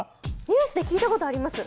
ニュースで聞いたことあります。